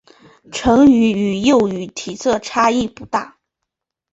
成鱼与幼鱼体色差异不大。